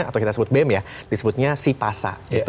atau kita sebut bem ya disebutnya sipasa